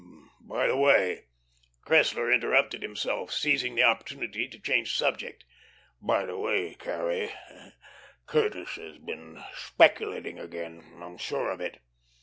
By the way " Cressler interrupted himself, seizing the opportunity to change the subject. "By the way, Carrie, Curtis has been speculating again. I'm sure of it."